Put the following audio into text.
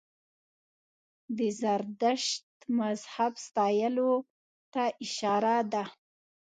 د زردشت مذهب ستایلو ته اشاره ده.